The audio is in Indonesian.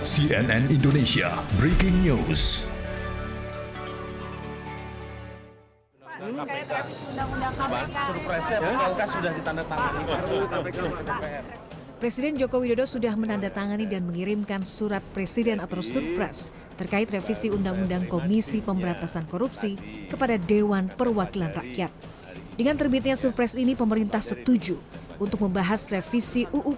cnn indonesia breaking news